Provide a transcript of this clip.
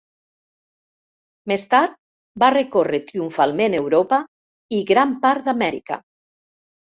Més tard, va recórrer triomfalment Europa i gran part d'Amèrica.